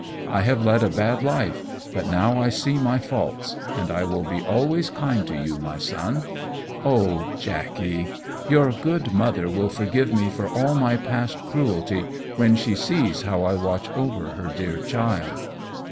I have led a bad life, but now I see my faults, and I will be always kind to you, my Son. Oh, Jackey, your good mother will forgive me for all my past cruelty when she sees how I watch over her dear child!"